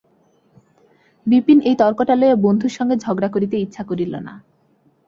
বিপিন এই তর্কটা লইয়া বন্ধুর সঙ্গে ঝগড়া করিতে ইচ্ছা করিল না।